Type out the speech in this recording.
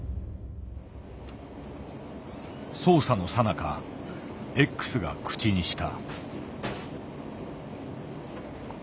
捜査のさなかＸが口にした。